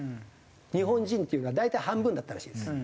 日本人っていうのは大体半分だったらしいです。